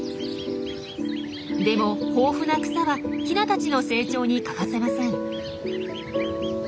でも豊富な草はヒナたちの成長に欠かせません。